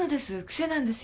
癖なんですよ。